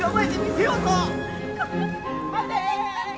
待て！